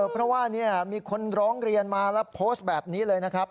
เพราะว่ามีคนร้องเรียนมาแล้วโพสต์แบบนี้เลยนะครับ